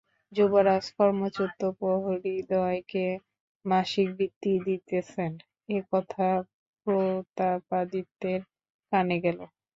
যুবরাজ কর্মচ্যুত প্রহরীদ্বয়কে মাসিক বৃত্তি দিতেছেন, এ-কথা প্রতাপাদিত্যের কানে গেল।